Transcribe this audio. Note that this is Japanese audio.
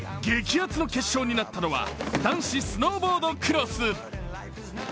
激熱の決勝になったのは男子スノーボードクロス。